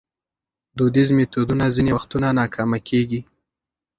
دودیز میتودونه ځینې وختونه ناکامه کېږي.